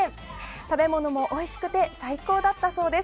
食べ物もおいしくて最高だったそうです。